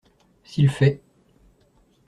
S’il fait.